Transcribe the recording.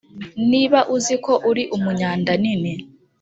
niba uzi yuko uri umunyandanini